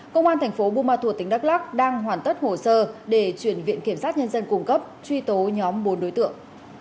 công an tp bumatua tỉnh đắk lắc đang hoàn tất hồ sơ để chuyển viện kiểm soát nhân dân cung cấp truy tố nhóm bốn đối tượng